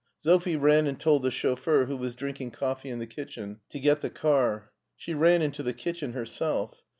Sophie ran and told the chauffeur, who was drinking coffee in the kitchen, to get the car. She ran into the kitchen herself.